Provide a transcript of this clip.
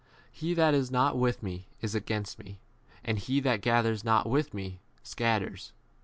He that is not with me is against me, and he that gathers not with me 31 scatters.